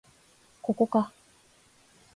ここか